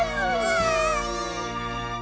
わい！